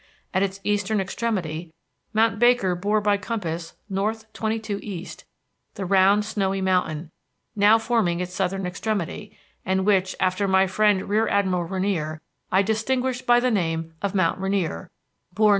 At its eastern extremity, mount Baker bore by compass N. 22 E.; the round snowy mountain, now forming its southern extremity, and which, after my friend Rear Admiral Rainier, I distinguished by the name of MOUNT RAINIER, bore N.